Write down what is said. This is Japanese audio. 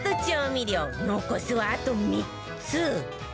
残すはあと３つ